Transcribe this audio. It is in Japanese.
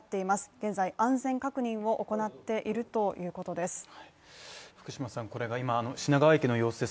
現在、安全確認を行っているということです。